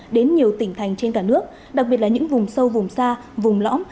đến nhiều tỉnh thành trên cả nước đặc biệt là những vùng sâu vùng xa vùng lõm